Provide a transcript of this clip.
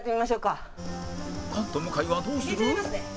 菅と向井はどうする？